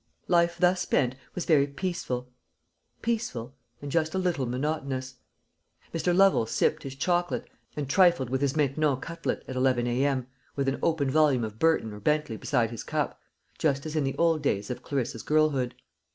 Life thus spent was very peaceful peaceful, and just a little monotonous. Mr. Lovel sipped his chocolate, and trifled with his maintenon cutlet, at 11 A.M., with an open volume of Burton or Bentley beside his cup, just as in the old days of Clarissa's girlhood.